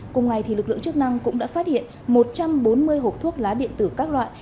cùng ngày lực lượng chức năng cũng đã phát hiện một trăm bốn mươi hộp thuốc lá điện tử các loại